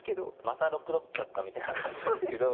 また６六角かみたいな感じですけど。